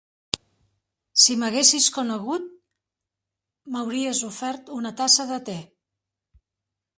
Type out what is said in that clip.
Si m'haguessis conegut, m'hauries ofert una tassa de te.